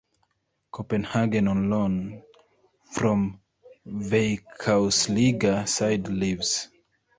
Copenhagen on loan from Veikkausliiga side Ilves.